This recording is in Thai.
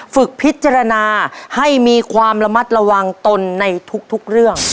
ฝึกพิจารณาให้มีความระมัดระวังตนในทุกเรื่อง